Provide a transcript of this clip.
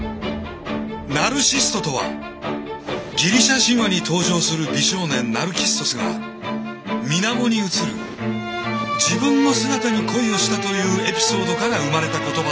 ナルシストとはギリシャ神話に登場する美少年ナルキッソスがみなもに映る自分の姿に恋をしたというエピソードから生まれた言葉である。